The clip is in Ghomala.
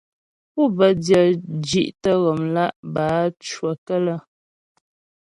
Pû bə́ dyə̂ zhí'tə ghɔmlá' bǎcyəkə́lə́.